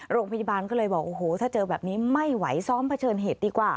โรงพยาบาลก็เลยบอกโอ้โหถ้าเจอแบบนี้ไม่ไหวซ้อมเผชิญเหตุดีกว่า